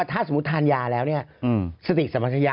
ถ้าสมมุติทานยาแล้วสติกสมัครยะ